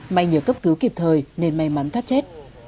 may nhờ cấp cứu kịp thời nên may mắn thoát chết